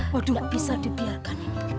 waduh gak bisa dibiarkan ini